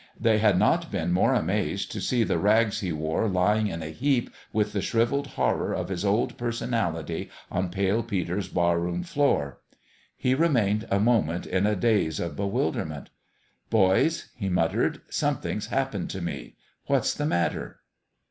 They had not been more amazed to see the rags he wore lying in a heap with the shrivelled horror of his old personality on Pale Peter's barroom floor. He remained a moment in a daze of be wilderment. " Boys," he muttered, " something's happened to me. What's the matter?"